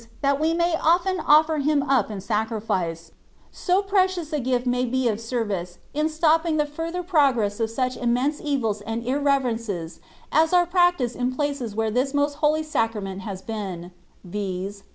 that we may often oflPer Him up in sacrifice, so precious a gift may be of service in stopping the further progress of such immense evils and irreverences as are practised in places where this Most Holy Sacrament has been, viz.